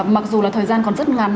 mặc dù là thời gian còn rất ngắn